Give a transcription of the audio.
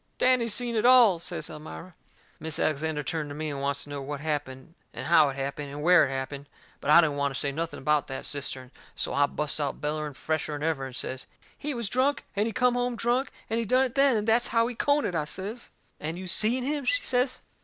"Danny seen it all," says Elmira. Mis' Alexander turned to me, and wants to know what happened and how it happened and where it happened. But I don't want to say nothing about that cistern. So I busts out bellering fresher'n ever, and I says: "He was drunk, and he come home drunk, and he done it then, and that's how he done it," I says. "And you seen him?" she says.